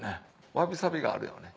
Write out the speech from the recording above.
わびさびがあるよね。